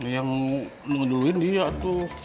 ya mau nungguin dia tuh